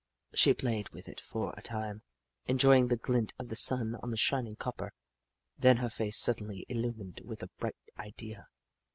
She played with it for a time, enjoying the glint of the sun on the shining copper, then her face suddenly illumined with a bright idea.